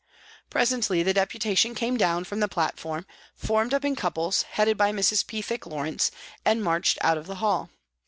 Presently the Deputation came down from the platform, formed up in couples, headed by Mrs. Pethick Lawrence, and marched out of the hall.